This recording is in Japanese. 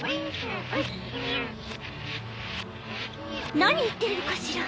何言ってるのかしら？